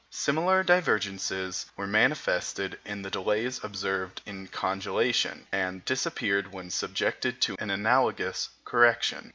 Similar divergences were manifested in the delays observed in congelation, and disappeared when subjected to an analogous correction.